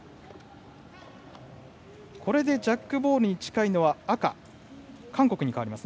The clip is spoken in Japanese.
これでジャックボールに近いのは赤、韓国に変わります。